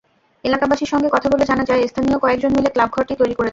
এলাকাবাসীর সঙ্গে কথা বলে জানা যায়, স্থানীয় কয়েকজন মিলে ক্লাবঘরটি তৈরি করেছেন।